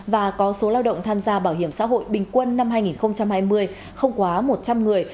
và có số lao động tham gia bảo hiểm xã hội bình quân năm hai nghìn hai mươi không quá một trăm linh người